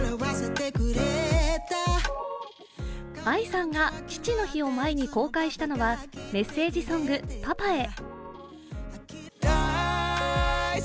ＡＩさんが父の日を前に公開したのはメッセージソング「パパへ」。